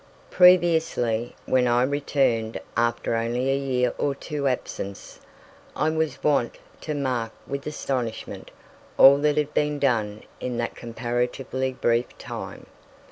Previously, when I returned after only a year or two's absence, I was wont to mark with astonishment all that had been done in that comparatively brief time.